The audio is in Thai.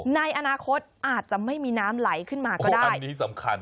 ในอนาคตอาจจะไม่มีน้ำไหลขึ้นมาก็ได้อันนี้สำคัญ